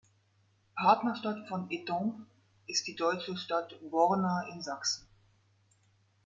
Partnerstadt von Étampes ist die deutsche Stadt Borna in Sachsen.